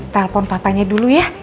telepon papanya dulu ya